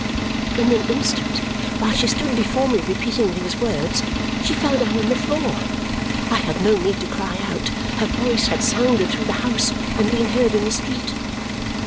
'" In an instant, while she stood before me repeating these words, she fell down on the floor. I had no need to cry out; her voice had sounded through the house and been heard in the street.